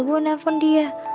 buat telepon dia